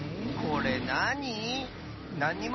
これなに？